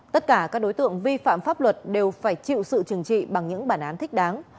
tất cả các đối tượng vi phạm pháp luật đều phải chịu sự trừng trị bằng những bản án thích đáng